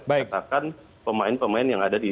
katakan pemain pemain yang ada di